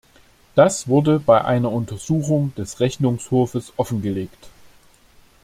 Das wurde bei einer Untersuchung des Rechnungshofes offengelegt.